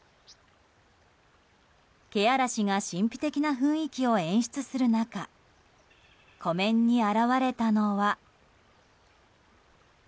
けあらしが神秘的な雰囲気を演出する中湖面に現れたのは。